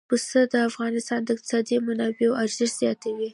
پسه د افغانستان د اقتصادي منابعو ارزښت زیاتوي.